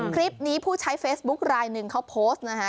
คลิปนี้ผู้ใช้เฟซบุ๊คลายหนึ่งเขาโพสต์นะฮะ